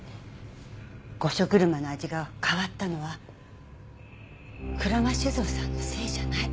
御所車の味が変わったのは鞍馬酒造さんのせいじゃない。